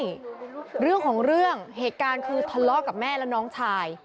นี่เรื่องของเรื่องเหตุการณ์คือทะเลาะกับแม่และน้องชาย